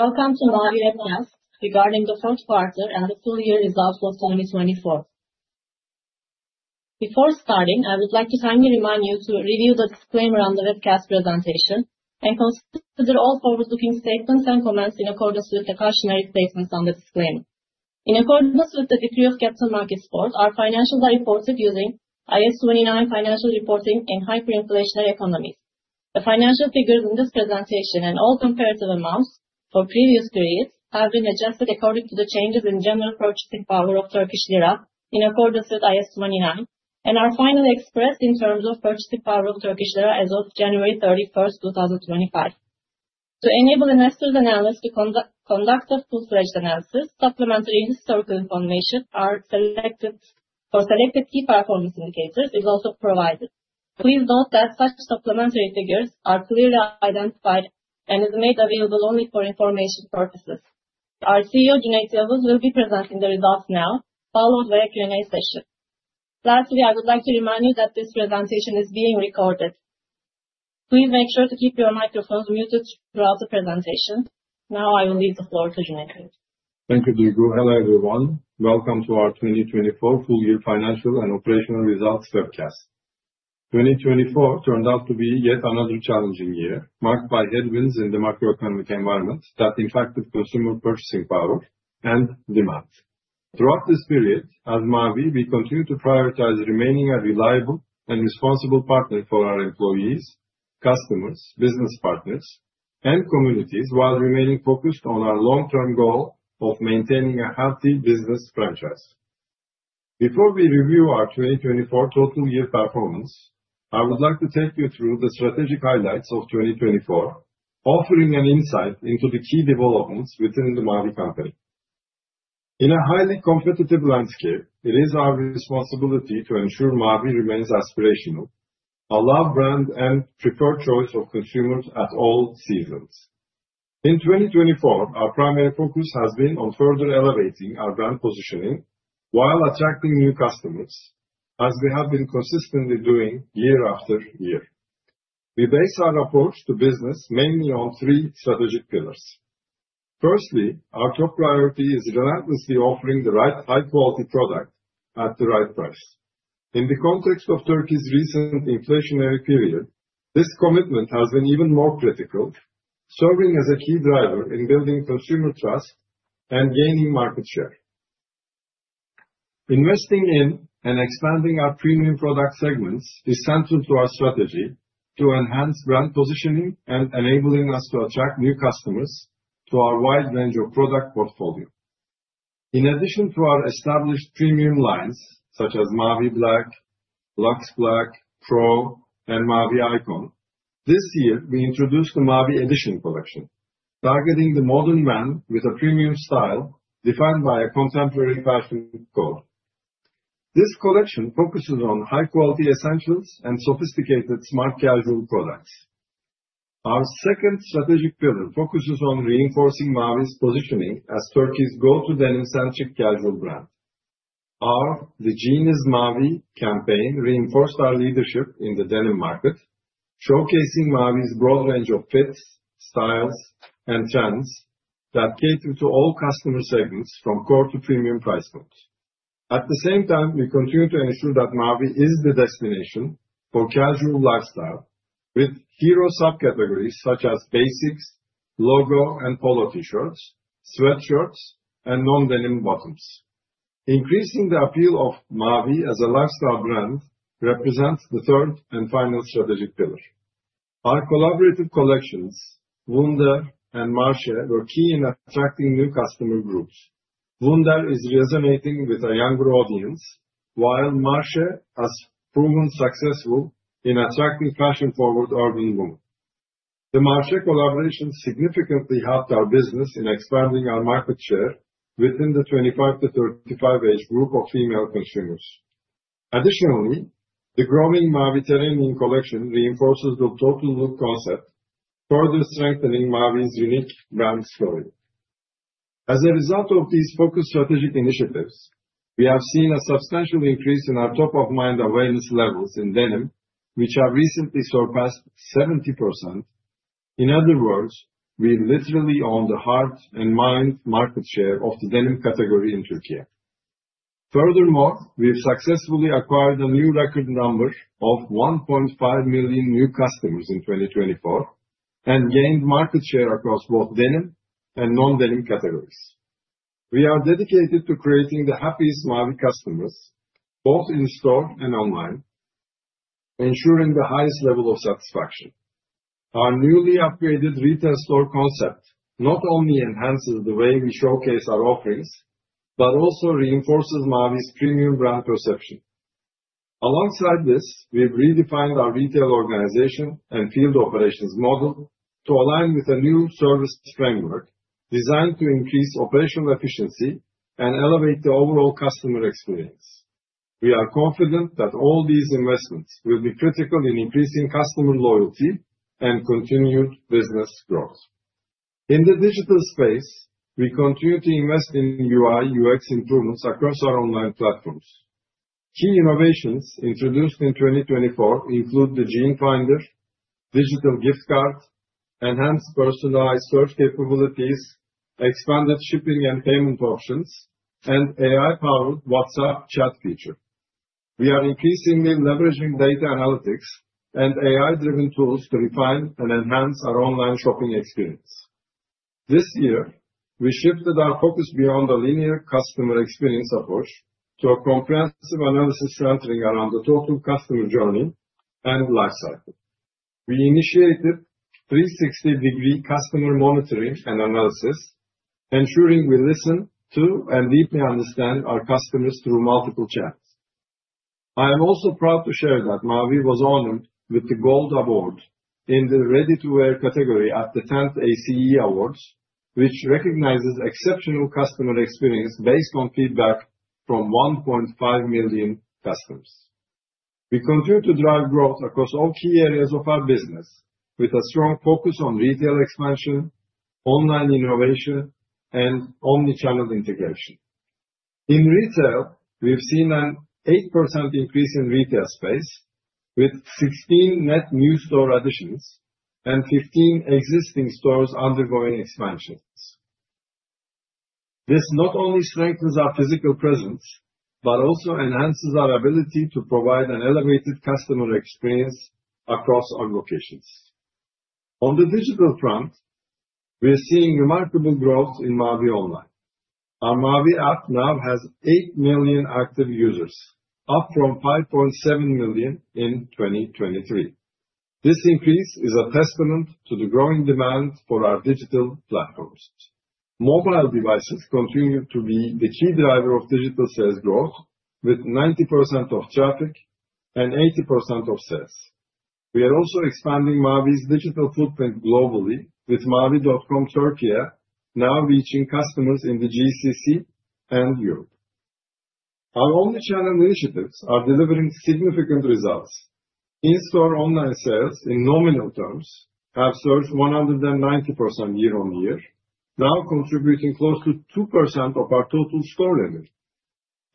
Welcome to Mavi webcast regarding the fourth quarter and the full year results for 2024. Before starting, I would like to kindly remind you to review the disclaimer on the webcast presentation and consider all forward-looking statements and comments in accordance with the cautionary statements on the disclaimer. In accordance with the Decree of Capital Markets Board, our financials are reported using IAS 29 financial reporting in hyperinflationary economies. The financial figures in this presentation and all comparative amounts for previous periods have been adjusted according to the changes in general purchasing power of Turkish lira in accordance with IAS 29 and are finally expressed in terms of purchasing power of Turkish lira as of January 31, 2025. To enable investors and analysts to conduct a full-fledged analysis, supplementary historical information for selected key performance indicators is also provided. Please note that such supplementary figures are clearly identified and are made available only for information purposes. Our CEO, Cüneyt Yavuz, will be presenting the results now, followed by a Q&A session. Lastly, I would like to remind you that this presentation is being recorded. Please make sure to keep your microphones muted throughout the presentation. Now, I will leave the floor to Cüneyt. Thank you, Duygu. Hello, everyone. Welcome to our 2024 full year financial and operational results webcast. 2024 turned out to be yet another challenging year, marked by headwinds in the macroeconomic environment that impacted consumer purchasing power and demand. Throughout this period, as Mavi, we continue to prioritize remaining a reliable and responsible partner for our employees, customers, business partners, and communities while remaining focused on our long-term goal of maintaining a healthy business franchise. Before we review our 2024 total year performance, I would like to take you through the strategic highlights of 2024, offering an insight into the key developments within the Mavi company. In a highly competitive landscape, it is our responsibility to ensure Mavi remains aspirational, a loved brand and preferred choice of consumers at all seasons. In 2024, our primary focus has been on further elevating our brand positioning while attracting new customers, as we have been consistently doing year after year. We base our approach to business mainly on three strategic pillars. Firstly, our top priority is relentlessly offering the right high-quality product at the right price. In the context of Türkiye's recent inflationary period, this commitment has been even more critical, serving as a key driver in building consumer trust and gaining market share. Investing in and expanding our premium product segments is central to our strategy to enhance brand positioning and enabling us to attract new customers to our wide range of product portfolio. In addition to our established premium lines, such as Mavi Black, Lux Black, Pro, and Mavi Icon, this year, we introduced the Mavi Edition collection, targeting the modern man with a premium style defined by a contemporary fashion code. This collection focuses on high-quality essentials and sophisticated smart casual products. Our second strategic pillar focuses on reinforcing Mavi's positioning as Turkey's go-to denim-centric casual brand. Our "The Genius Mavi" campaign reinforced our leadership in the denim market, showcasing Mavi's broad range of fits, styles, and trends that cater to all customer segments from core to premium price points. At the same time, we continue to ensure that Mavi is the destination for casual lifestyle, with hero subcategories such as basics, logo, and polo t-shirts, sweatshirts, and non-denim bottoms. Increasing the appeal of Mavi as a lifestyle brand represents the third and final strategic pillar. Our collaborative collections, Wunder and Marché, were key in attracting new customer groups. Wunder is resonating with a younger audience, while Marché has proven successful in attracting fashion-forward urban women. The Marché collaboration significantly helped our business in expanding our market share within the 25-35 age group of female consumers. Additionally, the growing Maviterranean collection reinforces the total look concept, further strengthening Mavi's unique brand story. As a result of these focused strategic initiatives, we have seen a substantial increase in our top-of-mind awareness levels in denim, which have recently surpassed 70%. In other words, we literally own the heart and mind market share of the denim category in Turkey Furthermore, we have successfully acquired a new record number of 1.5 million new customers in 2024 and gained market share across both denim and non-denim categories. We are dedicated to creating the happiest Mavi customers, both in store and online, ensuring the highest level of satisfaction. Our newly upgraded retail store concept not only enhances the way we showcase our offerings, but also reinforces Mavi's premium brand perception. Alongside this, we've redefined our retail organization and field operations model to align with a new service framework designed to increase operational efficiency and elevate the overall customer experience. We are confident that all these investments will be critical in increasing customer loyalty and continued business growth. In the digital space, we continue to invest in UI/UX improvements across our online platforms. Key innovations introduced in 2024 include the jean finder, digital gift card, enhanced personalized search capabilities, expanded shipping and payment options, and AI-powered WhatsApp chat feature. We are increasingly leveraging data analytics and AI-driven tools to refine and enhance our online shopping experience. This year, we shifted our focus beyond a linear customer experience approach to a comprehensive analysis centering around the total customer journey and lifecycle. We initiated 360-degree customer monitoring and analysis, ensuring we listen to and deeply understand our customers through multiple channels. I am also proud to share that Mavi was honored with the Gold Award in the Ready-to-Wear category at the 10th ACE Awards, which recognizes exceptional customer experience based on feedback from 1.5 million customers. We continue to drive growth across all key areas of our business with a strong focus on retail expansion, online innovation, and omnichannel integration. In retail, we have seen an 8% increase in retail space with 16 net new store additions and 15 existing stores undergoing expansions. This not only strengthens our physical presence, but also enhances our ability to provide an elevated customer experience across our locations. On the digital front, we are seeing remarkable growth in Mavi online. Our Mavi app now has 8 million active users, up from 5.7 million in 2023. This increase is a testament to the growing demand for our digital platforms. Mobile devices continue to be the key driver of digital sales growth, with 90% of traffic and 80% of sales. We are also expanding Mavi's digital footprint globally with mavi.com Turkey, now reaching customers in the GCC and Europe. Our omnichannel initiatives are delivering significant results. In-store online sales in nominal terms have surged 190% year on year, now contributing close to 2% of our total store revenue.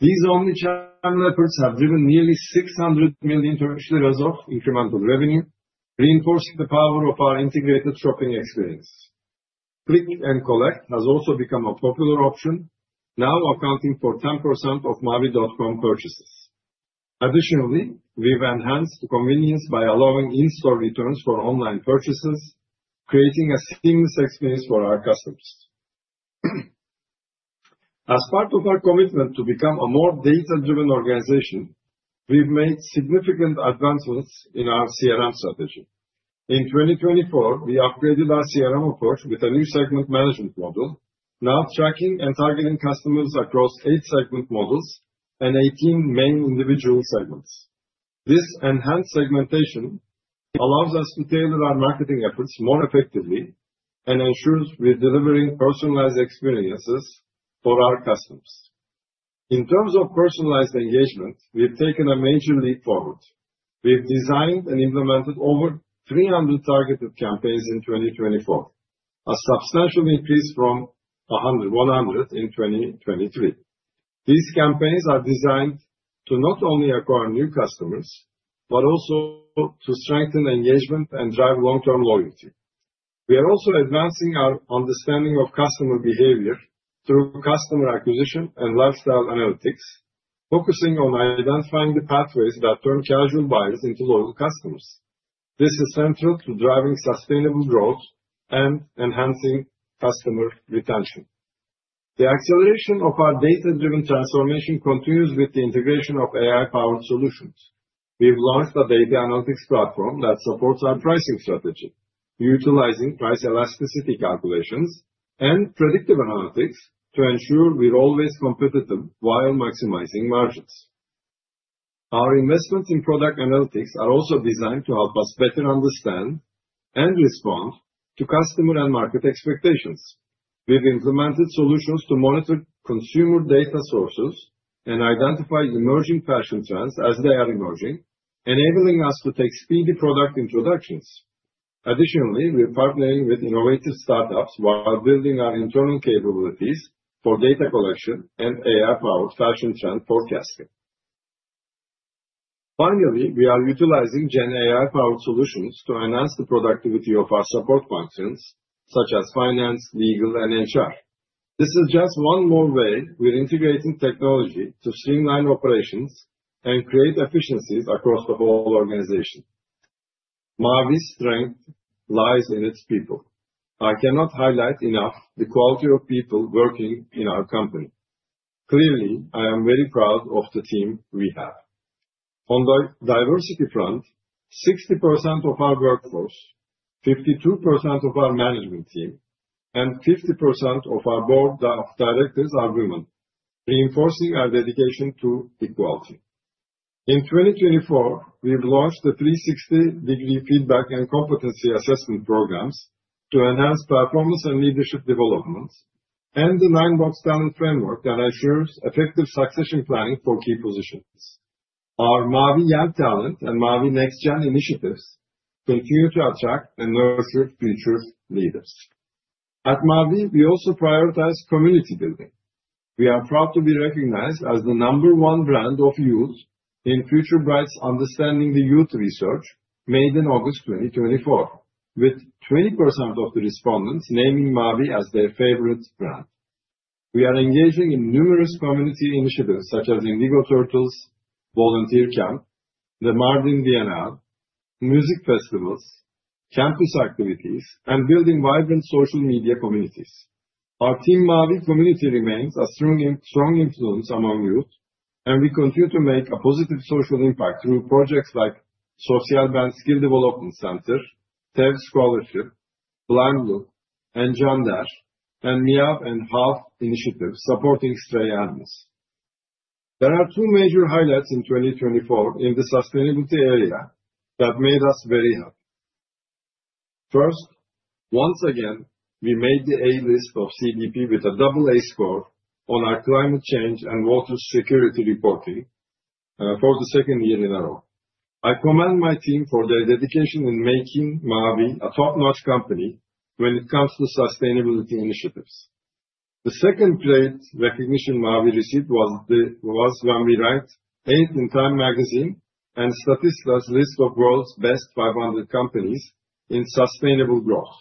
These omnichannel efforts have driven nearly 600 million Turkish lira of incremental revenue, reinforcing the power of our integrated shopping experience. Click and collect has also become a popular option, now accounting for 10% of mavi.com purchases. Additionally, we've enhanced convenience by allowing in-store returns for online purchases, creating a seamless experience for our customers. As part of our commitment to become a more data-driven organization, we've made significant advancements in our CRM strategy. In 2024, we upgraded our CRM approach with a new segment management model, now tracking and targeting customers across eight segment models and 18 main individual segments. This enhanced segmentation allows us to tailor our marketing efforts more effectively and ensures we're delivering personalized experiences for our customers. In terms of personalized engagement, we've taken a major leap forward. We've designed and implemented over 300 targeted campaigns in 2024, a substantial increase from 100 in 2023. These campaigns are designed to not only acquire new customers, but also to strengthen engagement and drive long-term loyalty. We are also advancing our understanding of customer behavior through customer acquisition and lifestyle analytics, focusing on identifying the pathways that turn casual buyers into loyal customers. This is central to driving sustainable growth and enhancing customer retention. The acceleration of our data-driven transformation continues with the integration of AI-powered solutions. We've launched a data analytics platform that supports our pricing strategy, utilizing price elasticity calculations and predictive analytics to ensure we're always competitive while maximizing margins. Our investments in product analytics are also designed to help us better understand and respond to customer and market expectations. We've implemented solutions to monitor consumer data sources and identify emerging fashion trends as they are emerging, enabling us to take speedy product introductions. Additionally, we're partnering with innovative startups while building our internal capabilities for data collection and AI-powered fashion trend forecasting. Finally, we are utilizing GenAI-powered solutions to enhance the productivity of our support functions, such as finance, legal, and HR. This is just one more way we're integrating technology to streamline operations and create efficiencies across the whole organization. Mavi's strength lies in its people. I cannot highlight enough the quality of people working in our company. Clearly, I am very proud of the team we have. On the diversity front, 60% of our workforce, 52% of our management team, and 50% of our board of directors are women, reinforcing our dedication to equality. In 2024, we've launched the 360-degree feedback and competency assessment programs to enhance performance and leadership development, and the 9-Box Talent framework that ensures effective succession planning for key positions. Our Mavi Young Talent and Mavi NextGen initiatives continue to attract and nurture future leaders. At Mavi, we also prioritize community building. We are proud to be recognized as the number one brand of youth in Future Bright's Understanding the Youth research made in August 2024, with 20% of the respondents naming Mavi as their favorite brand. We are engaging in numerous community initiatives such as Indigo Turtles, Volunteer Camp, the Mardin Biennial, music festivals, campus activities, and building vibrant social media communities. Our Team Mavi community remains a strong influence among youth, and we continue to make a positive social impact through projects like SosyalBen Skill Development Center, TEV Scholarship, BlindLook, Encander, and Miav and Hav initiatives supporting stray animals. There are two major highlights in 2024 in the sustainability area that made us very happy. First, once again, we made the A-list of CDP with a double A score on our climate change and water security reporting for the second year in a row. I commend my team for their dedication in making Mavi a top-notch company when it comes to sustainability initiatives. The second great recognition Mavi received was when we ranked eighth in Time Magazine and Statista's list of world's best 500 companies in sustainable growth,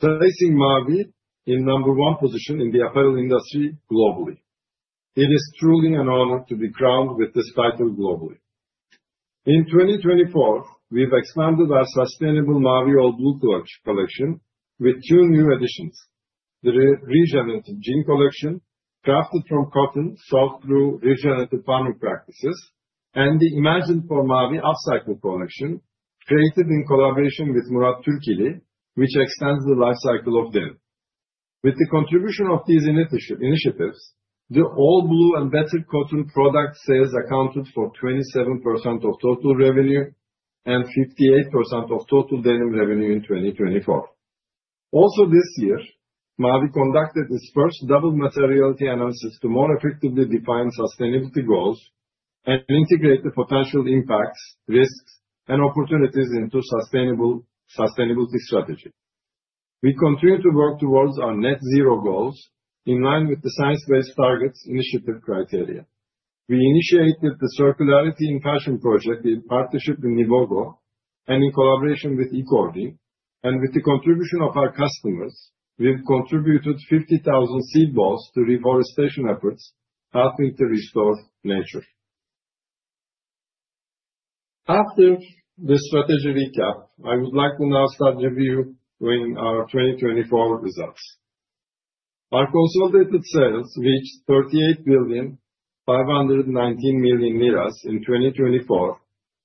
placing Mavi in number one position in the apparel industry globally. It is truly an honor to be crowned with this title globally. In 2024, we've expanded our sustainable Mavi All Blue collection with two new additions: the Regenerative Jean Collection, crafted from cotton sourced through regenerative farming practices, and the IMAGINED for Mavi Upcycle Collection, created in collaboration with Murat Türkili, which extends the lifecycle of denim. With the contribution of these initiatives, the All Blue and better cotton product sales accounted for 27% of total revenue and 58% of total denim revenue in 2024. Also, this year, Mavi conducted its first double materiality analysis to more effectively define sustainability goals and integrate the potential impacts, risks, and opportunities into sustainability strategy. We continue to work towards our net-zero goals in line with the science-based targets initiative criteria. We initiated the circularity in Fashion project in partnership with Nivogo and in collaboration with Ecording and with the contribution of our customers, we've contributed 50,000 seed balls to reforestation efforts helping to restore nature. After the strategy recap, I would like to now start reviewing our 2024 results. Our consolidated sales reached 38,519 million lira in 2024,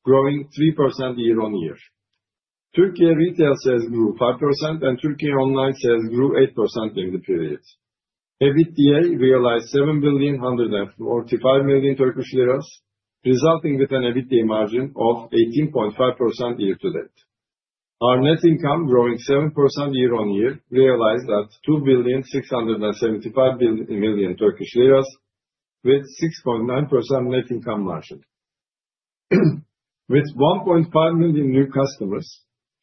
growing 3% year on year. Türkiye retail sales grew 5%, and Türkiye online sales grew 8% in the period. EBITDA realized 7,145 million Turkish lira, resulting in an EBITDA margin of 18.5% year-to-date. Our net income, growing 7% year on year, realized at 2,675 million Turkish lira, with a 6.9% net income margin. With 1.5 million new customers,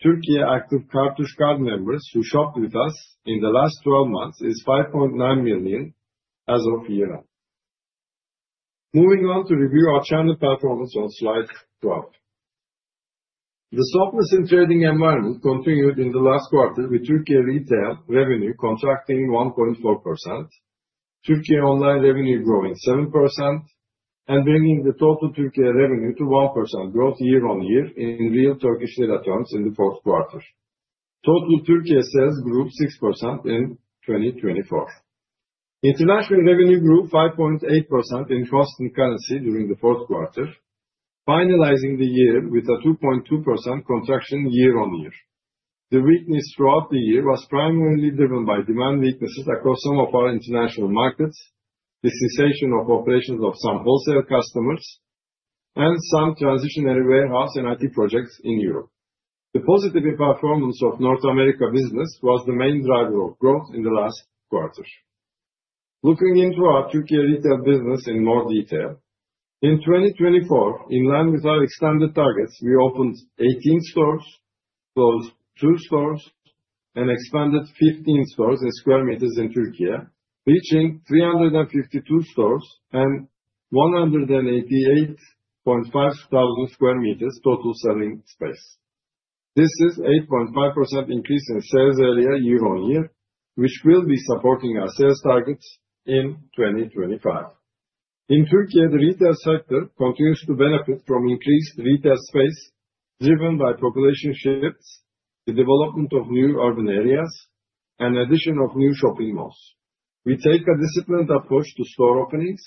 Türkiye's active cartridge card members who shopped with us in the last 12 months is 5.9 million as of year-end. Moving on to review our channel performance on slide 12. The softness in trading environment continued in the last quarter, with Türkiye retail revenue contracting 1.4%, Türkiye online revenue growing 7%, and bringing the total Türkiye revenue to 1% growth year on year in real Turkish lira terms in the fourth quarter. Total Türkiye sales grew 6% in 2024. International revenue grew 5.8% in constant currency during the fourth quarter, finalizing the year with a 2.2% contraction year on year. The weakness throughout the year was primarily driven by demand weaknesses across some of our international markets, the cessation of operations of some wholesale customers, and some transitionary warehouse and IT projects in Europe. The positive performance of North America business was the main driver of growth in the last quarter. Looking into our Türkiye retail business in more detail, in 2024, in line with our extended targets, we opened 18 stores, closed two stores, and expanded 15 stores and square meters in Türkiye, reaching 352 stores and 188,500 sq m total selling space. This is an 8.5% increase in sales area year on year, which will be supporting our sales targets in 2025. In Türkiye, the retail sector continues to benefit from increased retail space driven by population shifts, the development of new urban areas, and the addition of new shopping malls. We take a disciplined approach to store openings,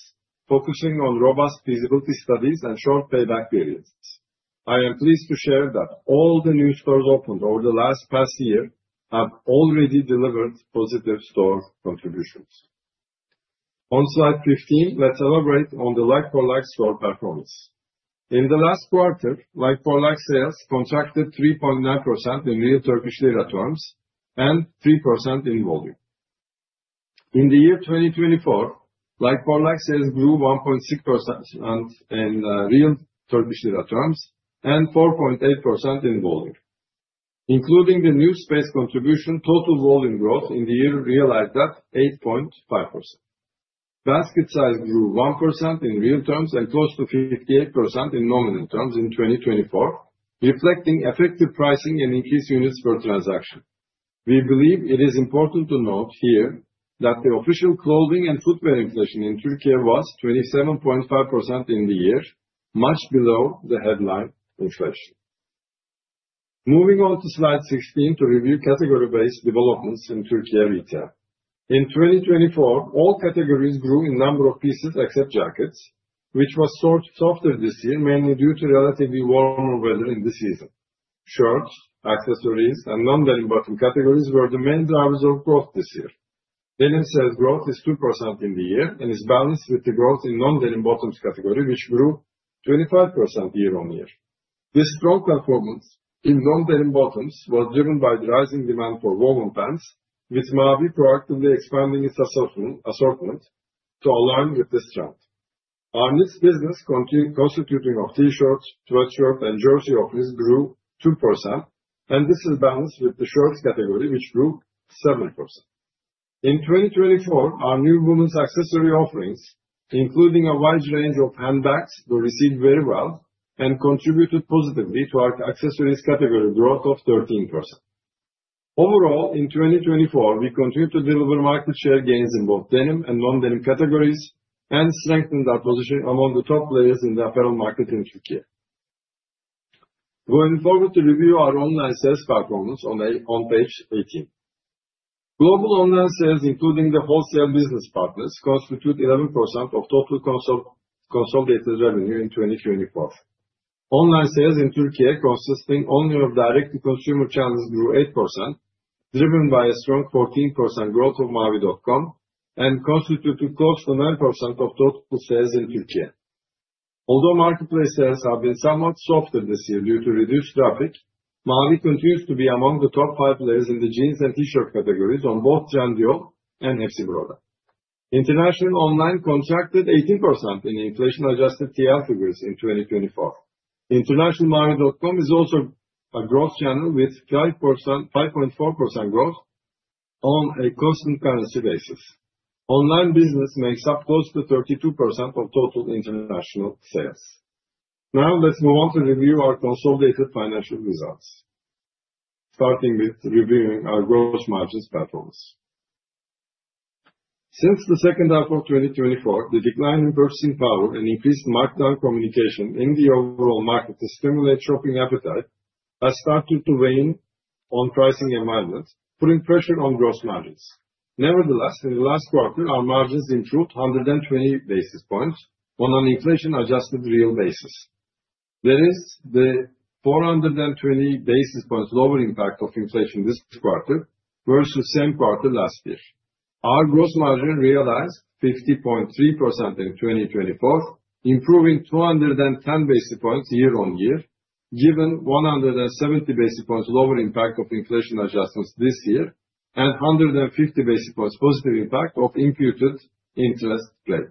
focusing on robust feasibility studies and short payback periods. I am pleased to share that all the new stores opened over the past year have already delivered positive store contributions. On slide 15, let's elaborate on the like-for-like store performance. In the last quarter, like-for-like sales contracted 3.9% in real Turkish lira terms and 3% in volume. In the year 2024, like-for-like sales grew 1.6% in real Turkish lira terms and 4.8% in volume, including the new space contribution. Total volume growth in the year realized at 8.5%. Basket size grew 1% in real terms and close to 58% in nominal terms in 2024, reflecting effective pricing and increased units per transaction. We believe it is important to note here that the official clothing and footwear inflation in Türkiye was 27.5% in the year, much below the headline inflation. Moving on to slide 16 to review category-based developments in Türkiye retail. In 2024, all categories grew in number of pieces except jackets, which was sorted softer this year, mainly due to relatively warmer weather in the season. Shirts, accessories, and non-denim bottom categories were the main drivers of growth this year. Denim sales growth is 2% in the year and is balanced with the growth in non-denim bottoms category, which grew 25% year on year. This strong performance in non-denim bottoms was driven by the rising demand for woven pants, with Mavi proactively expanding its assortment to align with this trend. Our next business, constituting of t-shirts, sweatshirts, and jersey offerings, grew 2%, and this is balanced with the shirts category, which grew 7%. In 2024, our new women's accessory offerings, including a wide range of handbags, were received very well and contributed positively to our accessories category growth of 13%. Overall, in 2024, we continue to deliver market share gains in both denim and non-denim categories and strengthened our position among the top players in the apparel market in Türkiye. Going forward to review our online sales performance on page 18. Global online sales, including the wholesale business partners, constituted 11% of total consolidated revenue in 2024. Online sales in Türkiye, consisting only of direct-to-consumer channels, grew 8%, driven by a strong 14% growth of mavi.com and constituted close to 9% of total sales in Türkiye. Although marketplace sales have been somewhat softer this year due to reduced traffic, Mavi continues to be among the top five players in the jeans and t-shirt categories on both Trendyol and Hepsiburada. International online contracted 18% in inflation-adjusted TRY figures in 2024. International mavi.com is also a growth channel with 5.4% growth on a cost and currency basis. Online business makes up close to 32% of total international sales. Now let's move on to review our consolidated financial results, starting with reviewing our gross margins performance. Since the second half of 2024, the decline in purchasing power and increased markdown communication in the overall market to stimulate shopping appetite has started to weigh in on pricing environments, putting pressure on gross margins. Nevertheless, in the last quarter, our margins improved 120 basis points on an inflation-adjusted real basis. There is the 420 basis points lower impact of inflation this quarter versus the same quarter last year. Our gross margin realized 50.3% in 2024, improving 210 basis points year on year, given 170 basis points lower impact of inflation adjustments this year and 150 basis points positive impact of imputed interest rate.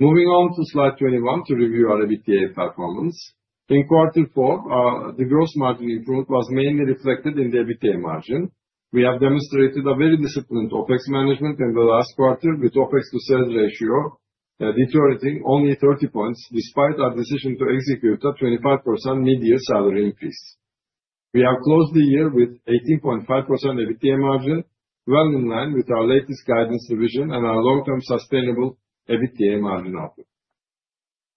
Moving on to slide 21 to review our EBITDA performance. In quarter four, the gross margin improvement was mainly reflected in the EBITDA margin. We have demonstrated a very disciplined OpEx management in the last quarter, with OpEx to sales ratio deteriorating only 30 points despite our decision to execute a 25% mid-year salary increase. We have closed the year with 18.5% EBITDA margin, well in line with our latest guidance revision and our long-term sustainable EBITDA margin outlook.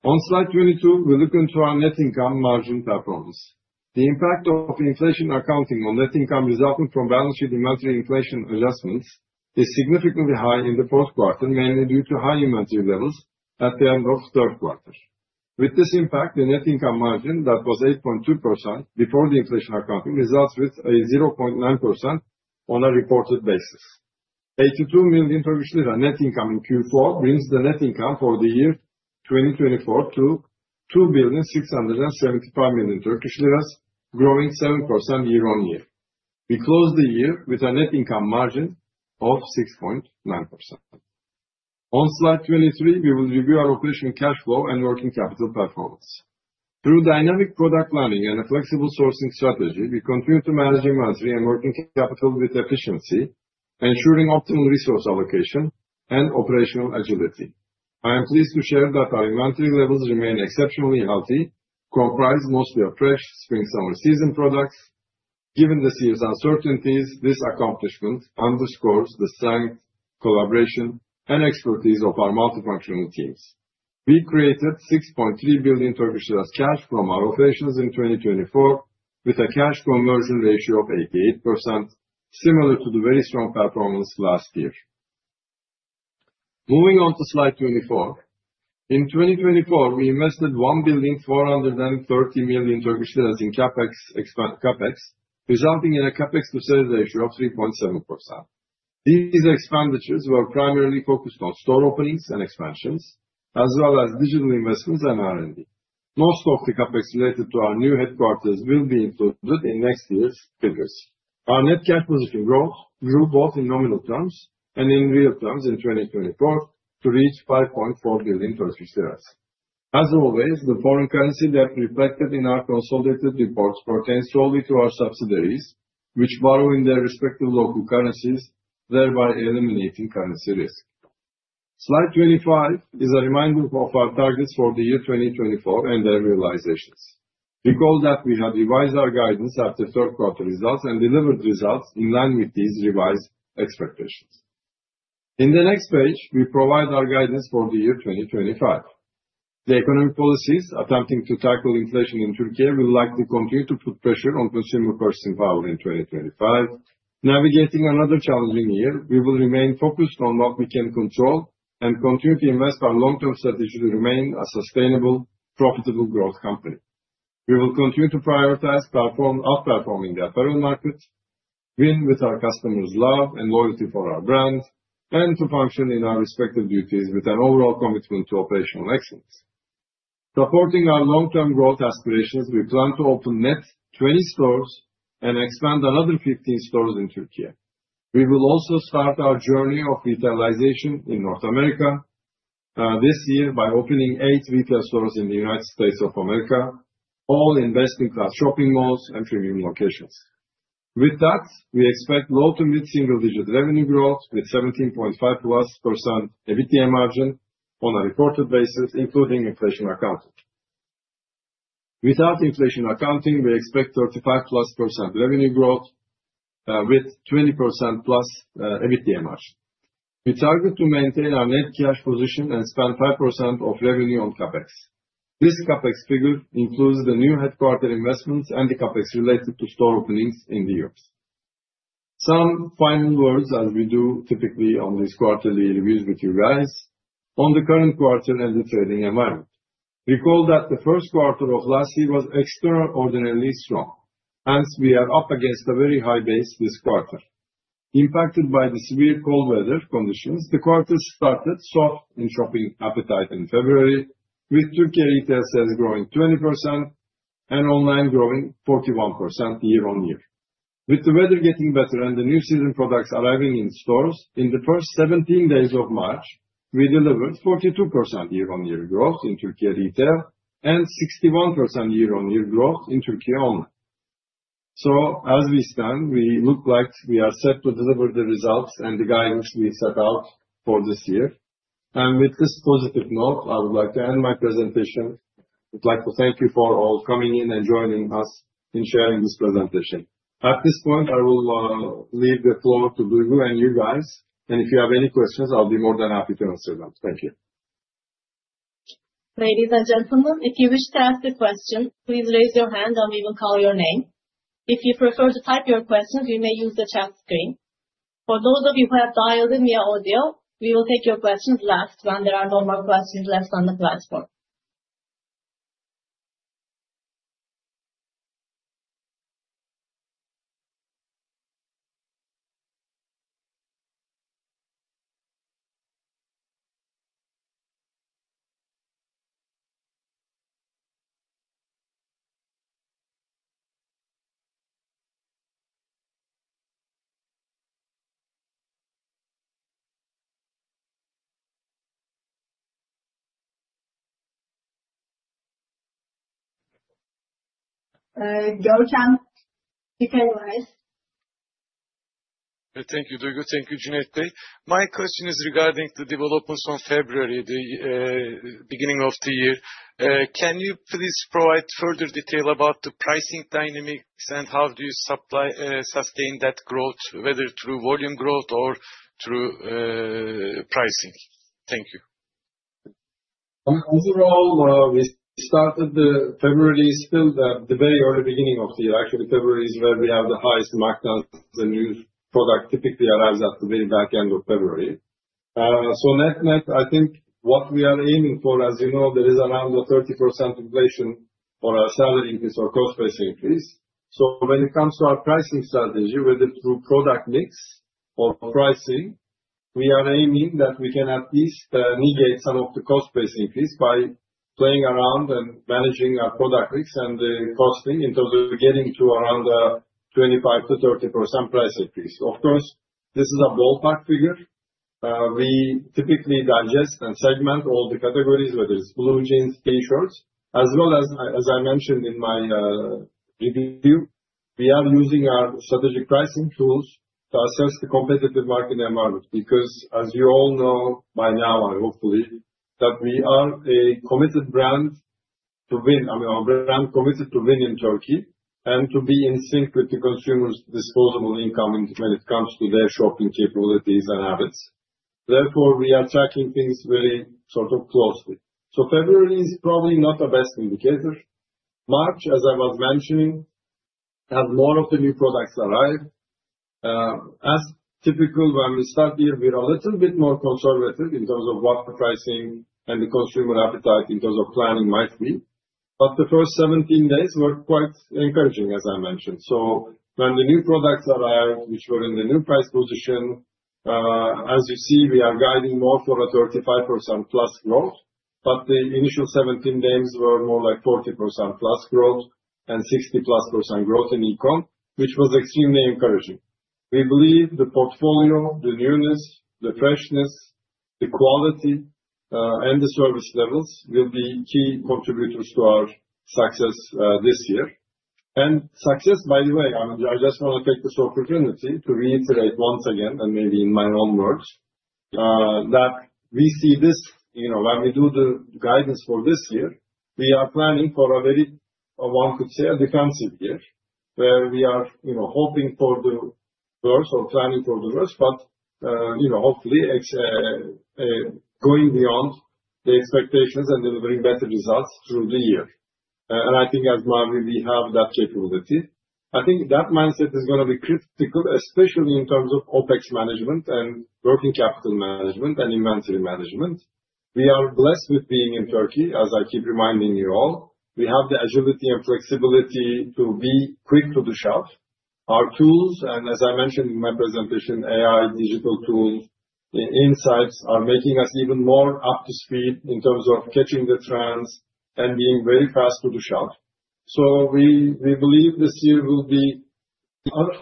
On slide 22, we look into our net income margin performance. The impact of inflation accounting on net income resulting from balance sheet inventory inflation adjustments is significantly high in the fourth quarter, mainly due to high inventory levels at the end of the third quarter. With this impact, the net income margin that was 8.2% before the inflation accounting results with a 0.9% on a reported basis. 82 million net income in Q4 brings the net income for the year 2024 to 2,675 million Turkish lira, growing 7% year on year. We closed the year with a net income margin of 6.9%. On slide 23, we will review our operation cash flow and working capital performance. Through dynamic product learning and a flexible sourcing strategy, we continue to manage inventory and working capital with efficiency, ensuring optimal resource allocation and operational agility. I am pleased to share that our inventory levels remain exceptionally healthy, comprised mostly of fresh spring-summer season products. Given this year's uncertainties, this accomplishment underscores the strength, collaboration, and expertise of our multifunctional teams. We created 6.3 billion Turkish lira cash from our operations in 2024, with a cash conversion ratio of 88%, similar to the very strong performance last year. Moving on to slide 24. In 2024, we invested 1,430 million in CapEx, resulting in a CapEx to sales ratio of 3.7%. These expenditures were primarily focused on store openings and expansions, as well as digital investments and R&D. Most of the CapEx related to our new headquarters will be included in next year's figures. Our net cash position grew both in nominal terms and in real terms in 2024 to reach 5.4 billion Turkish lira. As always, the foreign currency debt reflected in our consolidated reports pertains solely to our subsidiaries, which borrow in their respective local currencies, thereby eliminating currency risk. Slide 25 is a reminder of our targets for the year 2024 and their realizations. Recall that we have revised our guidance after third quarter results and delivered results in line with these revised expectations. In the next page, we provide our guidance for the year 2025. The economic policies attempting to tackle inflation in Türkiye will likely continue to put pressure on consumer purchasing power in 2025. Navigating another challenging year, we will remain focused on what we can control and continue to invest our long-term strategy to remain a sustainable, profitable growth company. We will continue to prioritize outperforming the apparel market, win with our customers' love and loyalty for our brand, and to function in our respective duties with an overall commitment to operational excellence. Supporting our long-term growth aspirations, we plan to open net 20 stores and expand another 15 stores in Türkiye. We will also start our journey of retailization in North America this year by opening eight retail stores in the United States of America, all in best-in-class shopping malls and premium locations. With that, we expect low to mid-single-digit revenue growth with 17.5%+ EBITDA margin on a reported basis, including inflation accounting. Without inflation accounting, we expect 35%+ revenue growth with 20%+ EBITDA margin. We target to maintain our net cash position and spend 5% of revenue on CapEx. This CapEx figure includes the new headquarter investments and the CapEx related to store openings in the US. Some final words, as we do typically on these quarterly reviews with you guys, on the current quarter and the trading environment. Recall that the first quarter of last year was extraordinarily strong. Hence, we are up against a very high base this quarter. Impacted by the severe cold weather conditions, the quarter started soft in shopping appetite in February, with Türkiye retail sales growing 20% and online growing 41% year on year. With the weather getting better and the new season products arriving in stores in the first 17 days of March, we delivered 42% year-on-year growth in Türkiye retail and 61% year-on-year growth in Türkiye online. As we stand, we look like we are set to deliver the results and the guidance we set out for this year. With this positive note, I would like to end my presentation. I would like to thank you for all coming in and joining us in sharing this presentation. At this point, I will leave the floor to Duygu and you guys. If you have any questions, I'll be more than happy to answer them. Thank you. Ladies and gentlemen, if you wish to ask a question, please raise your hand and we will call your name. If you prefer to type your questions, we may use the chat screen. For those of you who have dialed in via audio, we will take your questions last when there are no more questions left on the platform. Görkem, you can go ahead. Thank you, Duygu. Thank you, Cüneyt. My question is regarding the developments from February, the beginning of the year. Can you please provide further detail about the pricing dynamics and how do you sustain that growth, whether through volume growth or through pricing? Thank you. Overall, we started the February still at the very early beginning of the year. Actually, February is where we have the highest markdowns. The new product typically arrives at the very back end of February. Net net, I think what we are aiming for, as you know, there is around a 30% inflation or a salary increase or cost base increase. When it comes to our pricing strategy, whether through product mix or pricing, we are aiming that we can at least negate some of the cost base increase by playing around and managing our product mix and the costing in terms of getting to around a 25-30% price increase. Of course, this is a ballpark figure. We typically digest and segment all the categories, whether it's blue jeans, t-shirts, as well as, as I mentioned in my review, we are using our strategic pricing tools to assess the competitive market environment. Because, as you all know by now, and hopefully, that we are a committed brand to win, I mean, our brand committed to win in Turkey and to be in sync with the consumer's disposable income when it comes to their shopping capabilities and habits. Therefore, we are tracking things very sort of closely. February is probably not the best indicator. March, as I was mentioning, as more of the new products arrive. As typical, when we start the year, we are a little bit more conservative in terms of what the pricing and the consumer appetite in terms of planning might be. The first 17 days were quite encouraging, as I mentioned. When the new products arrived, which were in the new price position, as you see, we are guiding more for a 35%+ growth. The initial 17 days were more like 40%+ growth and 60%+ growth in e-com, which was extremely encouraging. We believe the portfolio, the newness, the freshness, the quality, and the service levels will be key contributors to our success this year. Success, by the way, I mean, I just want to take this opportunity to reiterate once again, and maybe in my own words, that we see this, you know, when we do the guidance for this year, we are planning for a very, one could say, a defensive year where we are, you know, hoping for the worst or planning for the worst, but, you know, hopefully going beyond the expectations and delivering better results through the year. I think, as Mavi, we have that capability. I think that mindset is going to be critical, especially in terms of OpEx management, and working capital management, and inventory management. We are blessed with being in Turkey, as I keep reminding you all. We have the agility and flexibility to be quick to the shelf. Our tools, and as I mentioned in my presentation, AI, digital tools, insights are making us even more up to speed in terms of catching the trends and being very fast to the shelf. We believe this year will be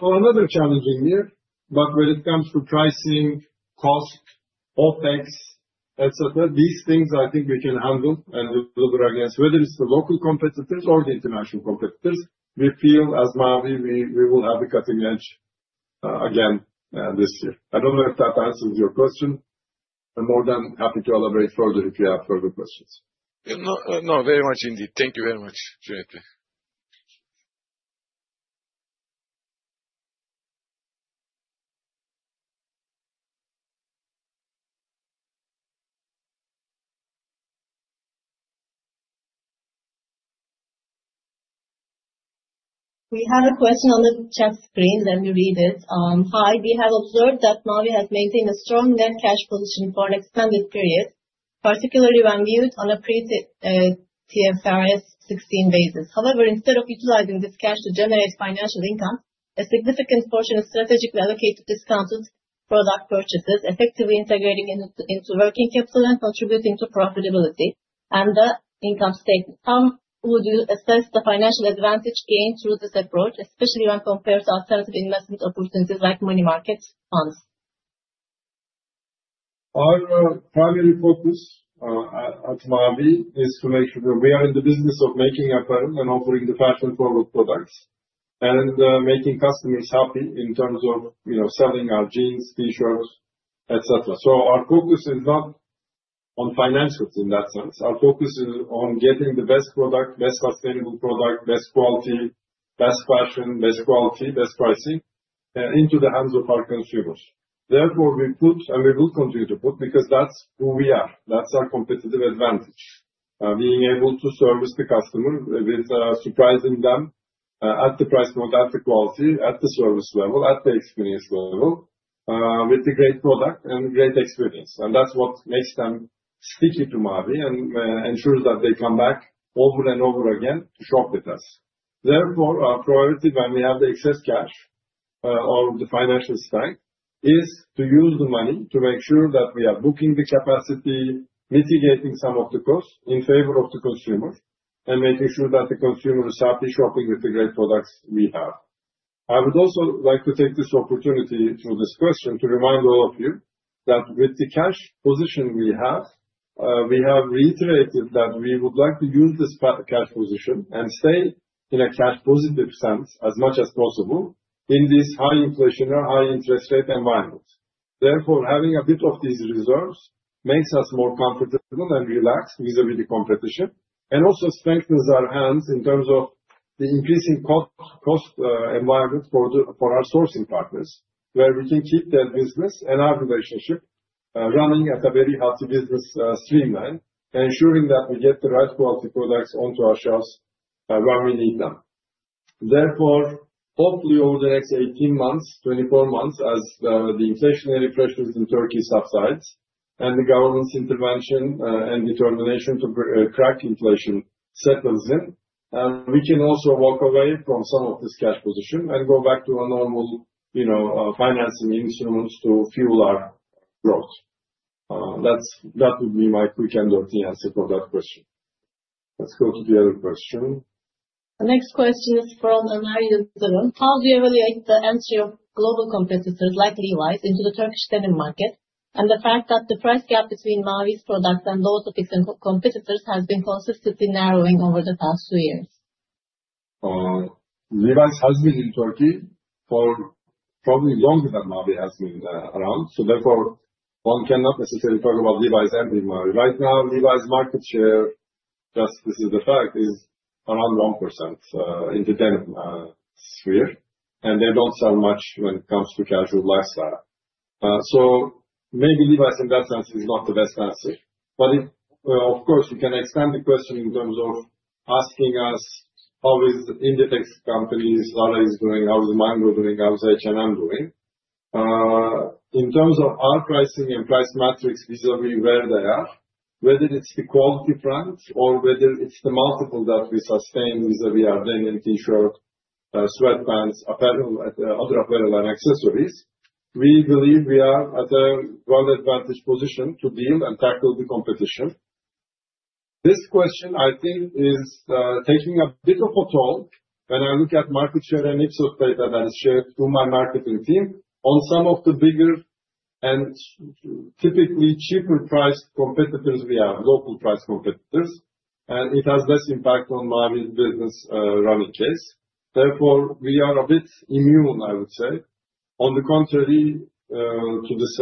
another challenging year. When it comes to pricing, cost, OpEx, etc., these things I think we can handle and deliver against, whether it's the local competitors or the international competitors. We feel, as Mavi, we will have the cutting edge again this year. I don't know if that answers your question. I'm more than happy to elaborate further if you have further questions. No, very much indeed. Thank you very much, Cüneyt. We have a question on the chat screen. Let me read it. Hi, we have observed that Mavi has maintained a strong net cash position for an extended period, particularly when viewed on a pre-IFRS 16 basis. However, instead of utilizing this cash to generate financial income, a significant portion is strategically allocated to discounted product purchases, effectively integrating into working capital and contributing to profitability and the income statement. How would you assess the financial advantage gained through this approach, especially when compared to alternative investment opportunities like money market funds? Our primary focus at Mavi is to make sure that we are in the business of making apparel and offering the fashion product products and making customers happy in terms of, you know, selling our jeans, t-shirts, etc. Our focus is not on financials in that sense. Our focus is on getting the best product, best sustainable product, best quality, best fashion, best quality, best pricing into the hands of our consumers. Therefore, we put, and we will continue to put, because that's who we are. That's our competitive advantage, being able to service the customer with surprising them at the price point, at the quality, at the service level, at the experience level, with the great product and great experience. That is what makes them sticky to Mavi and ensures that they come back over and over again to shop with us. Therefore, our priority when we have the excess cash or the financial strength is to use the money to make sure that we are booking the capacity, mitigating some of the costs in favor of the consumer, and making sure that the consumer is happy shopping with the great products we have. I would also like to take this opportunity through this question to remind all of you that with the cash position we have, we have reiterated that we would like to use this cash position and stay in a cash-positive sense as much as possible in this high inflation or high interest rate environment. Therefore, having a bit of these reserves makes us more comfortable and relaxed vis-à-vis the competition and also strengthens our hands in terms of the increasing cost environment for our sourcing partners, where we can keep their business and our relationship running at a very healthy business streamline, ensuring that we get the right quality products onto our shelves when we need them. Therefore, hopefully over the next 18 months, 24 months, as the inflationary pressures in Turkey subsides and the government's intervention and determination to crack inflation settles in, we can also walk away from some of this cash position and go back to a normal, you know, financing instrument to fuel our growth. That would be my quick and earthy answer for that question. Let's go to the other question. The next question is from [Mari Yıldırım]. How do you evaluate the entry of global competitors like Levi's into the Turkish denim market and the fact that the price gap between Mavi's products and those of its competitors has been consistently narrowing over the past two years? Levi's has been in Turkey for probably longer than Mavi has been around. Therefore, one cannot necessarily talk about Levi's and Mavi. Right now, Levi's market share, just this is the fact, is around 1% in the denim sphere, and they do not sell much when it comes to casual lifestyle. Maybe Levi's in that sense is not the best answer. Of course, you can extend the question in terms of asking us how Inditex companies, Zara is doing, how Mango is doing, how H&M is doing. In terms of our pricing and price metrics vis-à-vis where they are, whether it's the quality front or whether it's the multiple that we sustain vis-à-vis our denim, t-shirt, sweatpants, apparel, other apparel, and accessories, we believe we are at a well-advantaged position to deal and tackle the competition. This question, I think, is taking a bit of a toll when I look at market share and Ipsos data that is shared through my marketing team on some of the bigger and typically cheaper priced competitors we have, local price competitors, and it has less impact on Mavi's business running case. Therefore, we are a bit immune, I would say, on the contrary to this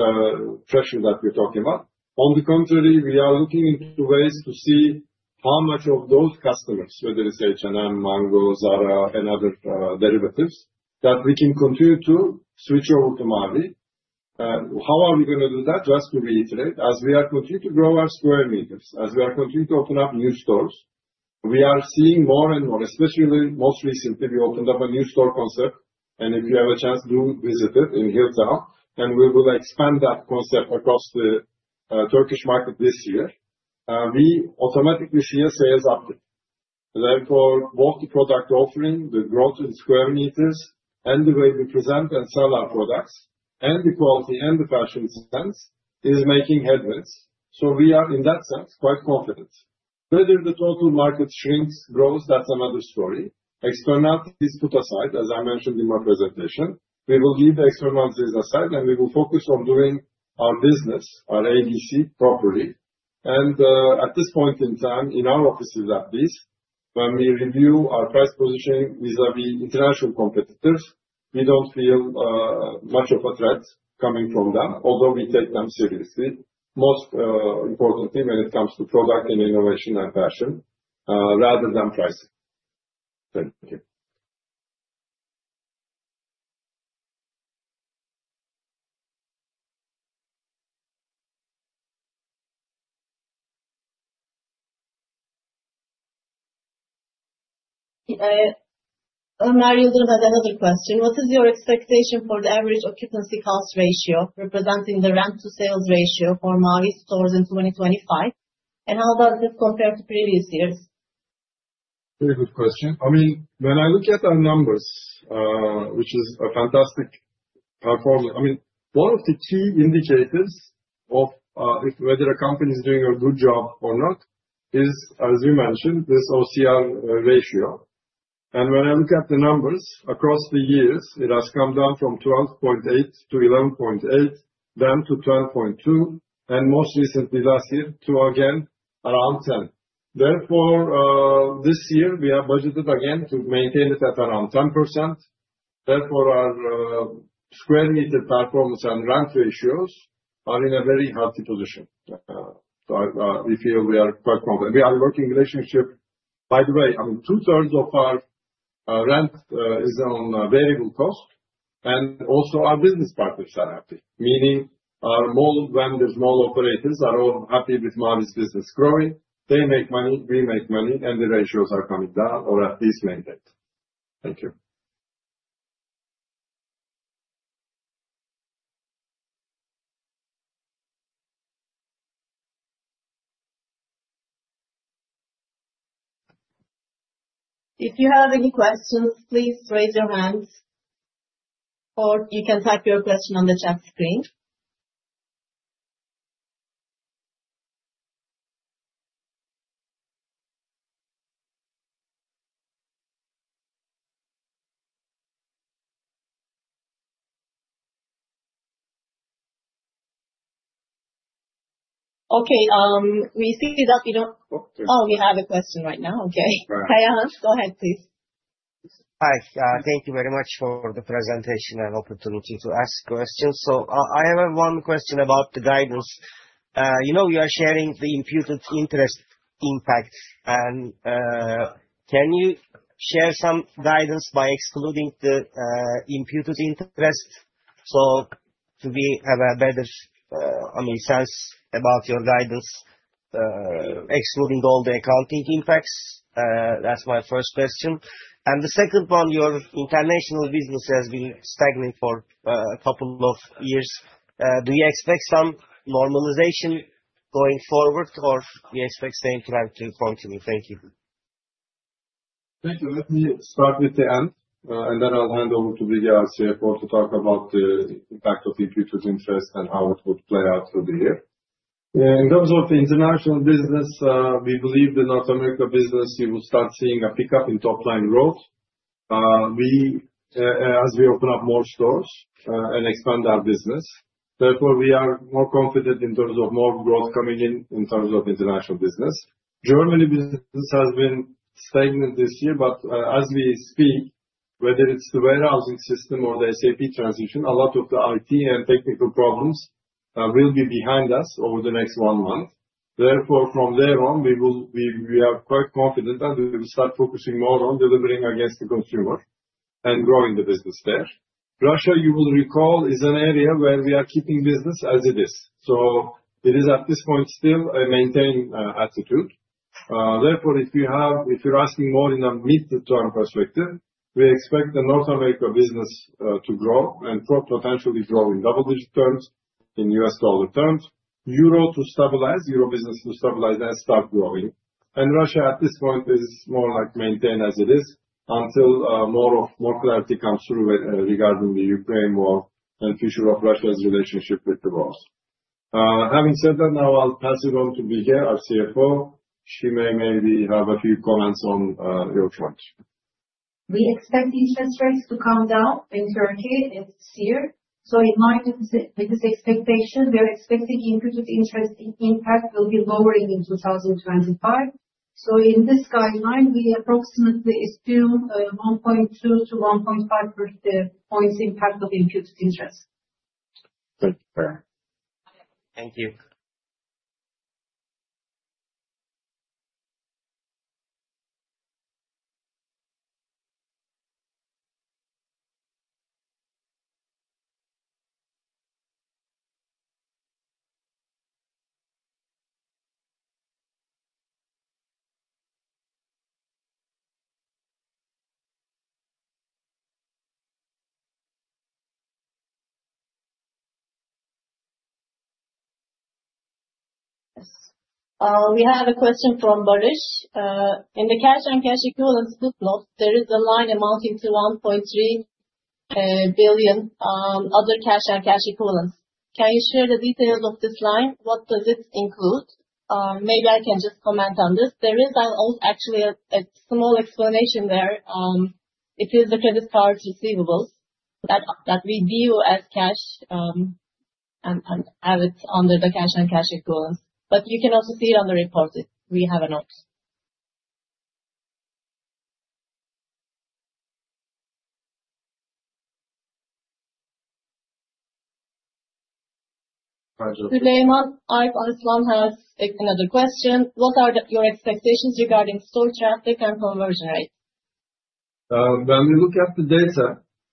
pressure that we're talking about. On the contrary, we are looking into ways to see how much of those customers, whether it's H&M, Mango, Zara, and other derivatives, that we can continue to switch over to Mavi. How are we going to do that? Just to reiterate, as we are continuing to grow our square meters, as we are continuing to open up new stores, we are seeing more and more, especially most recently, we opened up a new store concept, and if you have a chance, do visit it in Hilltown, and we will expand that concept across the Turkish market this year. We automatically see a sales update. Therefore, both the product offering, the growth in square meters, and the way we present and sell our products, and the quality and the fashion sense is making headwinds. We are, in that sense, quite confident. Whether the total market shrinks, grows, that's another story. Externalities put aside, as I mentioned in my presentation, we will leave the externalities aside, and we will focus on doing our business, our ABC properly. At this point in time, in our offices at least, when we review our price positioning vis-à-vis international competitors, we don't feel much of a threat coming from them, although we take them seriously, most importantly when it comes to product and innovation and fashion, rather than pricing. Thank you. Mari Yıldırım has another question. What is your expectation for the average occupancy cost ratio representing the rent-to-sales ratio for Mavi's stores in 2025? How does this compare to previous years? Very good question. I mean, when I look at our numbers, which is a fantastic performance, I mean, one of the key indicators of whether a company is doing a good job or not is, as you mentioned, this OCR ratio. When I look at the numbers across the years, it has come down from 12.8% to 11.8,% then to 12.2%, and most recently last year to again around 10%. Therefore, this year we have budgeted again to maintain it at around 10%. Therefore, our square meter performance and rent ratios are in a very healthy position. We feel we are quite confident. We are working in relationship. By the way, I mean, 2/3 of our rent is on variable cost, and also our business partners are happy, meaning our mall vendors, mall operators are all happy with Mavi's business growing. They make money, we make money, and the ratios are coming down or at least maintained. Thank you. If you have any questions, please raise your hand, or you can type your question on the chat screen. Okay, we see that we don't, oh, we have a question right now. Okay. Hi, [Anas]. Go ahead, please. Hi. Thank you very much for the presentation and opportunity to ask questions. I have one question about the guidance. You know, we are sharing the imputed interest impact, and can you share some guidance by excluding the imputed interest so we have a better, I mean, sense about your guidance, excluding all the accounting impacts? That's my first question. The second one, your international business has been stagnant for a couple of years. Do you expect some normalization going forward, or do you expect same trend to continue? Thank you. Thank you. Let me start with the end, and then I'll hand over to Bige Aksaray to talk about the impact of imputed interest and how it would play out through the year. In terms of the international business, we believe the North America business, you will start seeing a pickup in top-line growth as we open up more stores and expand our business. Therefore, we are more confident in terms of more growth coming in in terms of international business. Germany business has been stagnant this year, but as we speak, whether it's the warehousing system or the SAP transition, a lot of the IT and technical problems will be behind us over the next one month. Therefore, from there on, we have quite confident that we will start focusing more on delivering against the consumer and growing the business there. Russia, you will recall, is an area where we are keeping business as it is. It is at this point still a maintain attitude. If you're asking more in a mid-term perspective, we expect the North America business to grow and potentially grow in double-digit terms, in US dollar terms, Euro to stabilize, euro business to stabilize and start growing. Russia at this point is more like maintain as it is until more clarity comes through regarding the Ukraine war and future of Russia's relationship with the wars. Having said that, now I'll pass it on to Bige, our CFO`. She may maybe have a few comments on your point. We expect interest rates to come down in Turkey this year. In line with this expectation, we are expecting imputed interest impact will be lowering in 2025. In this guideline, we approximately assume 1.2-1.5 percentage points impact of imputed interest. Thank you. We have a question from [Barıs]. In the cash and cash equivalents booklet, there is a line amounting to 1.3 billion on other cash and cash equivalents. Can you share the details of this line? What does it include? Maybe I can just comment on this. There is actually a small explanation there. It is the credit card receivables that we view as cash and have it under the cash and cash equivalents. You can also see it on the report if we have a note. [Süleyman Arif Alislam] has another question. What are your expectations regarding store traffic and conversion rates? When we look at the data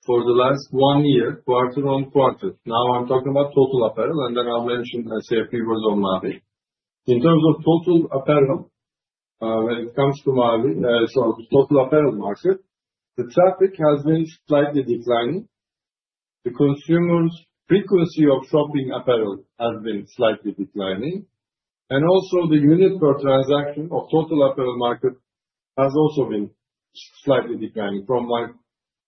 for the last one year, quarter on quarter, now I am talking about total apparel, and then I will mention SAP as on Mavi. In terms of total apparel, when it comes to Mavi, sorry, total apparel market, the traffic has been slightly declining. The consumer's frequency of shopping apparel has been slightly declining. Also, the unit per transaction of total apparel market has also been slightly declining from my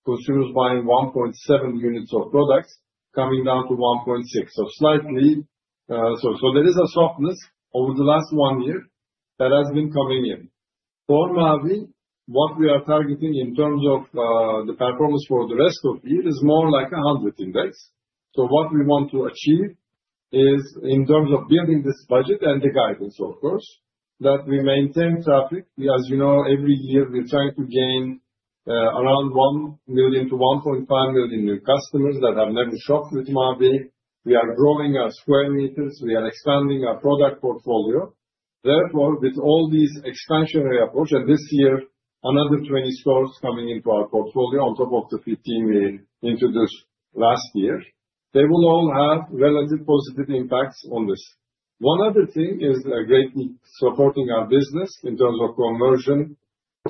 consumers buying 1.7 units of products coming down to 1.6. Slightly, there is a softness over the last one year that has been coming in. For Mavi, what we are targeting in terms of the performance for the rest of the year is more like a 100 index. What we want to achieve is, in terms of building this budget and the guidance, of course, that we maintain traffic. As you know, every year we're trying to gain around 1 million-1.5 million new customers that have never shopped with Mavi. We are growing our square meters. We are expanding our product portfolio. Therefore, with all these expansionary approaches, and this year, another 20 stores coming into our portfolio on top of the 15 we introduced last year, they will all have relative positive impacts on this. One other thing is greatly supporting our business in terms of conversion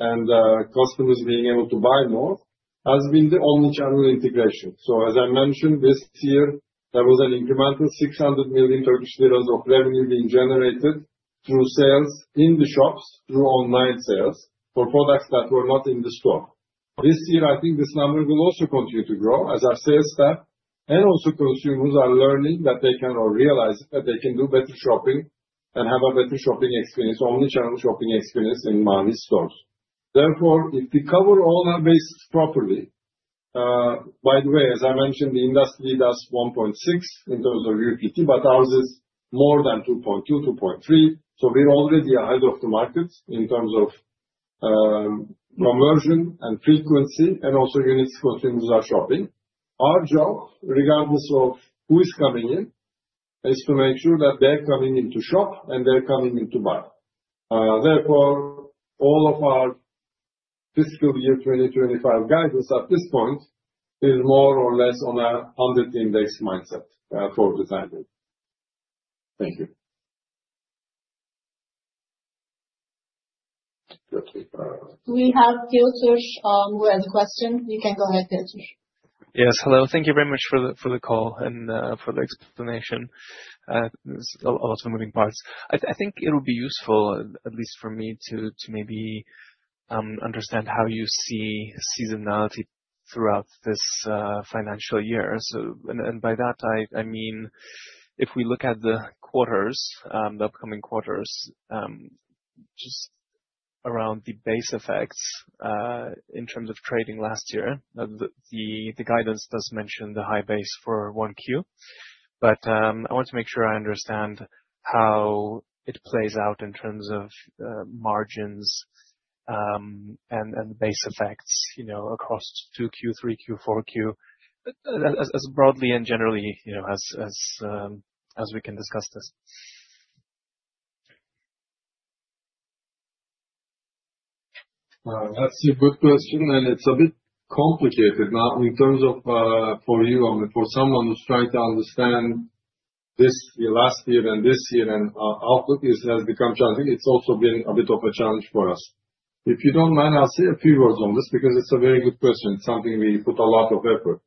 and customers being able to buy more has been the omnichannel integration. As I mentioned, this year, there was an incremental 600 million of revenue being generated through sales in the shops through online sales for products that were not in the store. This year, I think this number will also continue to grow as our sales staff and also consumers are learning that they can or realize that they can do better shopping and have a better shopping experience, omnichannel shopping experience in Mavi's stores. Therefore, if we cover all our bases properly, by the way, as I mentioned, the industry does 1.6 in terms of UPT, but ours is more than 2.2, 2.3. We are already ahead of the market in terms of conversion, and frequency, and also units consumers are shopping. Our job, regardless of who is coming in, is to make sure that they're coming in to shop and they're coming in to buy. Therefore, all of our fiscal year 2025 guidance at this point is more or less on a 100 index mindset for the time being. Thank you. We have [Giltush] who has a question. You can go ahead, Giltush. Yes, hello. Thank you very much for the call and for the explanation. There is a lot of moving parts. I think it will be useful, at least for me, to maybe understand how you see seasonality throughout this financial year. By that, I mean, if we look at the quarters, the upcoming quarters, just around the base effects in terms of trading last year, the guidance does mention the high base for 1Q. I want to make sure I understand how it plays out in terms of margins and base effects across 2Q, 3Q, 4Q, as broadly and generally as we can discuss this. That's a good question, and it's a bit complicated, not in terms of for you, I mean, for someone who's trying to understand this last year and this year and outlook has become challenging. It's also been a bit of a challenge for us. If you don't mind, I'll say a few words on this because it's a very good question. It's something we put a lot of effort.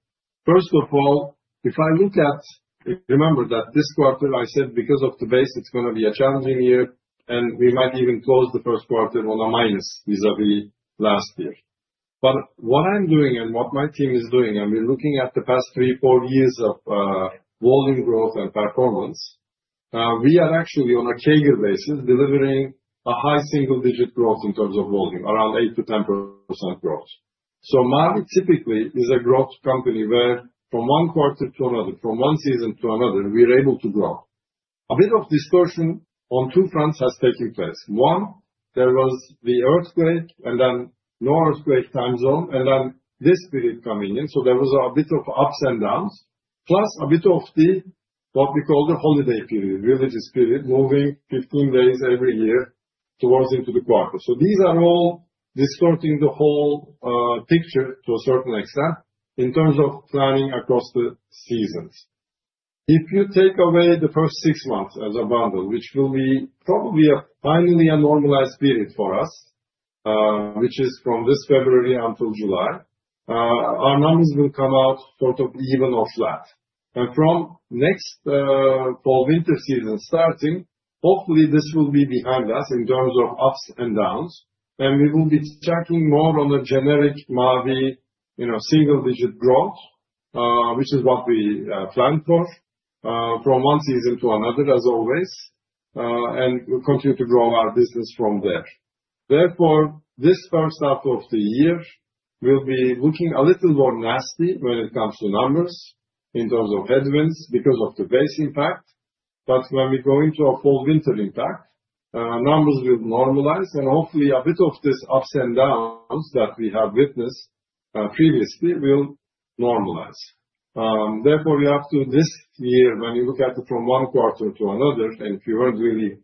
First of all, if I look at, remember that this quarter, I said because of the base, it's going to be a challenging year, and we might even close the first quarter on a minus vis-à-vis last year. What I'm doing and what my team is doing, and we're looking at the past three, four years of volume growth and performance, we are actually on a CAGR basis delivering a high single-digit growth in terms of volume, around 8%-10% growth. Mavi typically is a growth company where from one quarter to another, from one season to another, we're able to grow. A bit of distortion on two fronts has taken place. One, there was the earthquake and then no earthquake time zone, and then this period coming in. There was a bit of ups and downs, plus a bit of what we call the holiday period, religious period, moving 15 days every year towards into the quarter. These are all distorting the whole picture to a certain extent in terms of planning across the seasons. If you take away the first six months as a bundle, which will be probably finally a normalized period for us, which is from this February until July, our numbers will come out sort of even or flat. From next fall winter season starting, hopefully this will be behind us in terms of ups and downs, and we will be tracking more on a generic Mavi single-digit growth, which is what we plan for from one season to another, as always, and continue to grow our business from there. Therefore, this first half of the year will be looking a little more nasty when it comes to numbers in terms of headwinds because of the base impact. When we go into a fall winter impact, numbers will normalize, and hopefully a bit of this ups and downs that we have witnessed previously will normalize. Therefore, we have to this year, when you look at it from one quarter to another, and if you were not really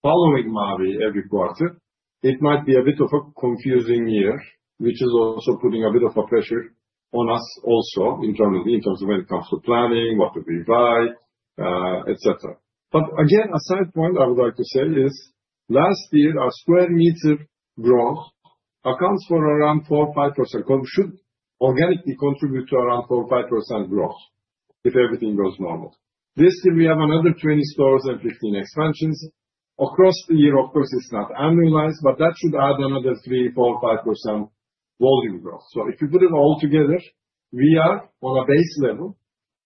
following Mavi every quarter, it might be a bit of a confusing year, which is also putting a bit of a pressure on us also internally in terms of when it comes to planning, what do we buy, etc. Again, a side point I would like to say is last year, our square meter growth accounts for around 4%, 5%, should organically contribute to around 4%, 5% growth if everything goes normal. This year, we have another 20 stores and 15 expansions. Across the year, of course, it is not annualized, but that should add another 3%, 4%, 5% volume growth. If you put it all together, we are on a base level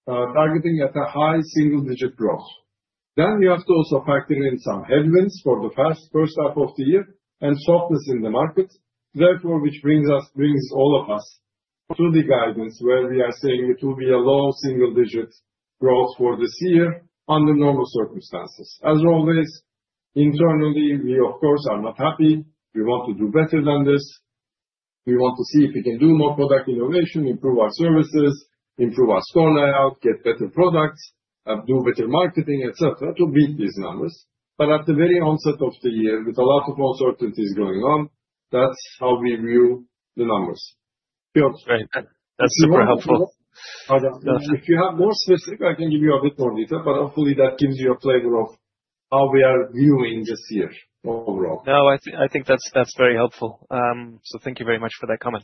targeting at a high single-digit growth. You have to also factor in some headwinds for the first half of the year and softness in the market, therefore, which brings all of us to the guidance where we are saying it will be a low single-digit growth for this year under normal circumstances. As always, internally, we, of course, are not happy. We want to do better than this. We want to see if we can do more product innovation, improve our services, improve our store layout, get better products, do better marketing, etc., to beat these numbers. At the very onset of the year, with a lot of uncertainties going on, that's how we view the numbers. That's super helpful. If you have more specific, I can give you a bit more detail, but hopefully that gives you a flavor of how we are viewing this year overall. I think that's very helpful. Thank you very much for that comment.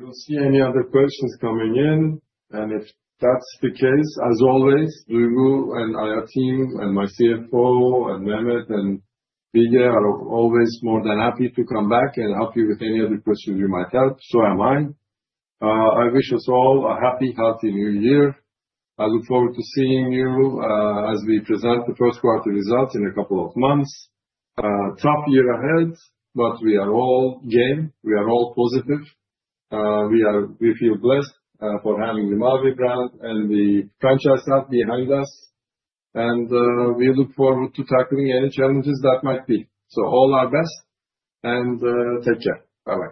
I don't see any other questions coming in. If that's the case, as always, Duygu and our team, and my CFO, Mehmet, and Bige are always more than happy to come back and help you with any other questions you might have. I wish us all a happy, healthy new year. I look forward to seeing you as we present the first quarter results in a couple of months. Tough year ahead, but we are all game. We are all positive. We feel blessed for having the Mavi brand and the franchise staff behind us. We look forward to tackling any challenges that might be. All our best and take care. Bye-bye.